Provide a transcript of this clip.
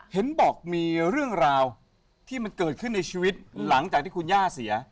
เห็นบอกมีเรื่องราวที่มันเกิดขึ้นในชีวิตหลังจากที่คุณย่าเสีย